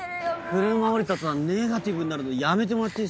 車降りた途端ネガティブになるのやめてもらっていいっすか？